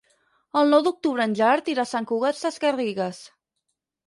El nou d'octubre en Gerard irà a Sant Cugat Sesgarrigues.